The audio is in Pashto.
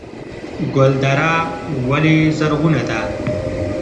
ګلدره ولې زرغونه ده؟